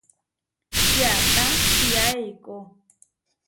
Čiata čiá eikó.